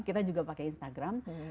kita juga pakai instagram